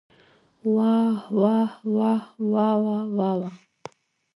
واه واه واه واوا واوا.